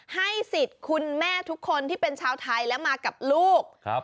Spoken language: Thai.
ให้สิทธิ์คุณแม่ทุกคนที่เป็นชาวไทยและมากับลูกครับ